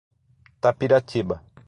Tapiratiba